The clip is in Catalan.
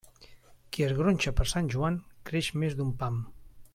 Qui es gronxa per Sant Joan, creix més d'un pam.